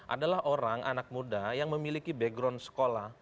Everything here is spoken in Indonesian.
adalah orang anak muda yang memiliki background sekolah